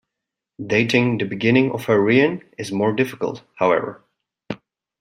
Dating the beginning of her reign is more difficult, however.